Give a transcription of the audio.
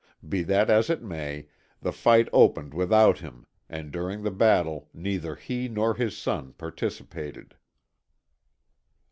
Be that as it may, the fight opened without him, and during the battle neither he nor his son participated.